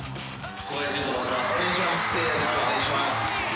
お願いします。